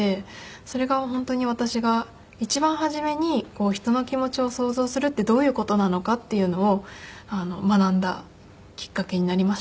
それが本当に私が一番初めに人の気持ちを想像するってどういう事なのかっていうのを学んだきっかけになりました。